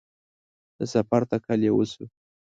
د سفر تکل یې وسو